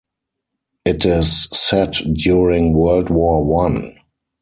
It is set during World War One.